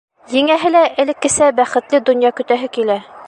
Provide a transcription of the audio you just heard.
Еңәһе лә элеккесә бәхетле донъя көтәһе килә.